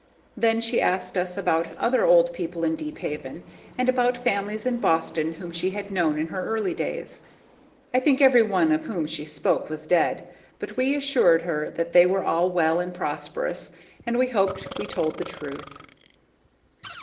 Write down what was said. Then she asked us about other old people in Deephaven, and about families in Boston whom she had known in her early days. I think every one of whom she spoke was dead, but we assured her that they were all well and prosperous, and we hoped we told the truth.